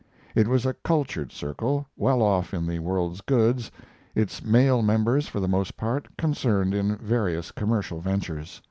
It was a cultured circle, well off in the world's goods, its male members, for the most part, concerned in various commercial ventures.